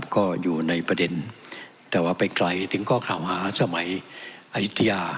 ก็อยู่ในประเด็นแต่ว่าไปไกลถึงข้อกล่าวหาสมัยอายุทยา